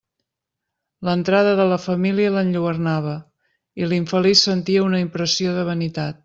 L'entrada de la família l'enlluernava, i l'infeliç sentia una impressió de vanitat.